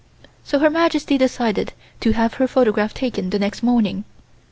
So Her Majesty decided to have her photograph taken the next morning.